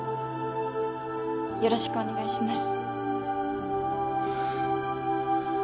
よろしくお願いします。